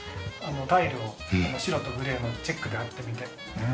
タイルを白とグレーのチェックで張ってみて。